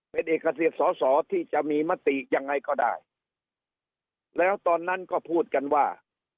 เป็นเอกสิทธิ์สอสอที่จะมีมติยังไงก็ได้แล้วตอนนั้นก็พูดกันว่า